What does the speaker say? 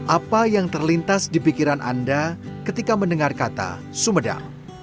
apa yang terlintas di pikiran anda ketika mendengar kata sumedang